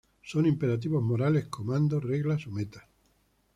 Son imperativos morales, comandos, reglas o metas.